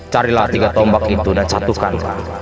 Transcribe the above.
carilah tiga tombak itu dan satukan